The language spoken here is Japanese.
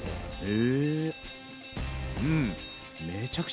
へえうん。